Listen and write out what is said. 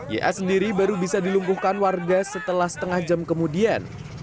y a sendiri baru bisa dilungkuhkan warga setelah setengah jam kemudian